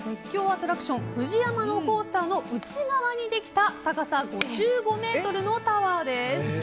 アトラクションＦＵＪＩＹＡＭＡのコースターの内側にできた高さ５５ｍのタワーです。